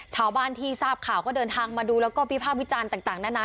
ชาวบ้านที่ทราบข่าวก็เดินทางมาดูแล้วก็วิภาควิจารณ์ต่างนานา